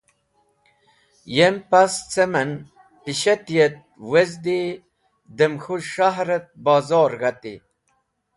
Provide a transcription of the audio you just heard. Yem pas cem en pishet et wezdi dem k̃hũ s̃hahr et bozor g̃hati.